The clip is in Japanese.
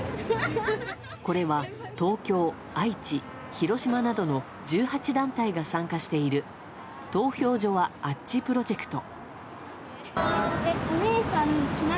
これは東京、愛知、広島などの１８団体が参加している投票所はあっちプロジェクト。